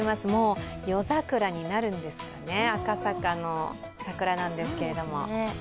もう夜桜になるんですかね、赤坂の桜なんですけれども。